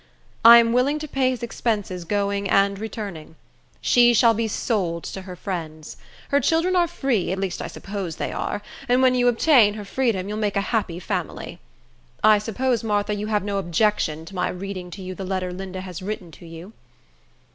I am willing to pay his expenses going and returning. She shall be sold to her friends. Her children are free; at least I suppose they are; and when you obtain her freedom, you'll make a happy family. I suppose, Martha, you have no objection to my reading to you the letter Linda has written to you."